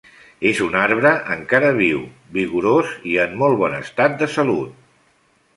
És un arbre encara viu, vigorós i en un molt bon estat de salut.